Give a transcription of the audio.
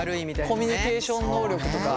コミュニケーション能力とか。